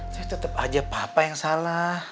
tapi tetep aja papa yang salah